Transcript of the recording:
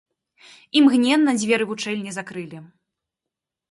Імгненна дзверы вучэльні закрылі.